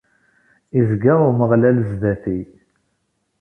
Izga Umeɣlal sdat-i.